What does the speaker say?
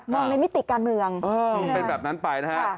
มองในมิติการเมืองใช่ไหมครับค่ะเป็นแบบนั้นไปนะครับ